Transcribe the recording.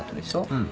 うん。